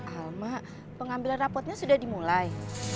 alma pengambilan raportnya sudah dimulai